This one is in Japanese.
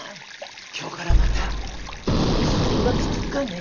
今日からまたこん続きば作っかね。